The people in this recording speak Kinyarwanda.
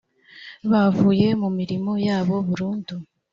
bavuye mu mirimo yabo burundu